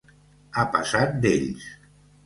Ha passat d’ells.